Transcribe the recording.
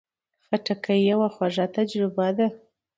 خټکی یوه خواږه تجربه ده.